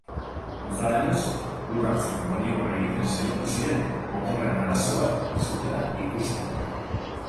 Antza denez, lur-hartzeko maniobra egiten saiatu ziren motorrean arazo bat zutela ikustean.